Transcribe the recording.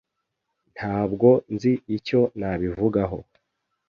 Ntabwo nzi icyo nabivugaho.